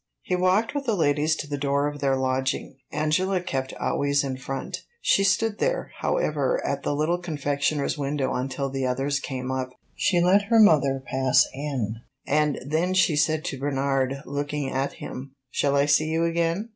He walked with the ladies to the door of their lodging. Angela kept always in front. She stood there, however, at the little confectioner's window until the others came up. She let her mother pass in, and then she said to Bernard, looking at him "Shall I see you again?"